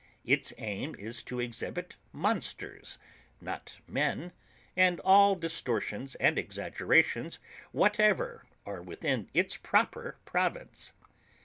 Its aim is to exhibit monsters, not men, and all distortions and exaggerations whatever are within its proper province.